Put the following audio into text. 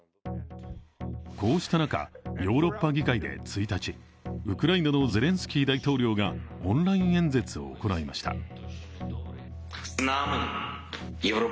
こうした中、ヨーロッパ議会で１日、ウクライナのゼレンスキー大統領がオンライン演説を行いました。